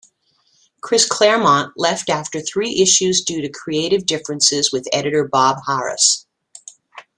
Chris Claremont, left after three issues due to creative differences with editor Bob Harras.